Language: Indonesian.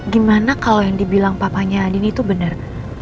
gimana kalau yang dibilang papanya dini itu benar